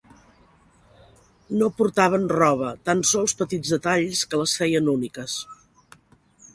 No portaven roba, tan sols petits detalls que les feien úniques.